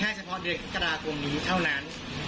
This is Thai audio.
ให้แค่เฉพาะเดือนกรกฎาคมนี้เท่านั้น